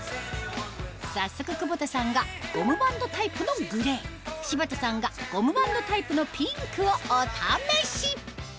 早速久保田さんがゴムバンドタイプのグレー柴田さんがゴムバンドタイプのピンクをお試し！